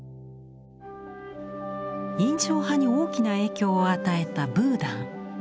印象派に大きな影響を与えたブーダン。